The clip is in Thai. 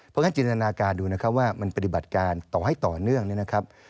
เพราะฉะนั้นจินตนาการดูนะครับว่ามันปฏิบัติการต่อให้ต่อเนื่องเนี่ยนะครับ